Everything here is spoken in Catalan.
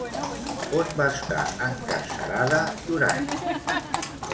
On va estar encarcerada Durany?